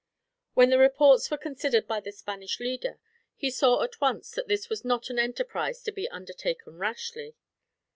When the reports were considered by the Spanish leader, he saw at once that this was not an enterprise to be undertaken rashly.